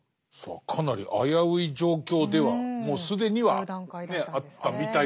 かなり危うい状況ではもう既にはあったみたいですけど。